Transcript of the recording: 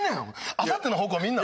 あさっての方向見るな。